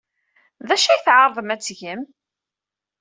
D acu ay tɛerḍem ad t-tgem?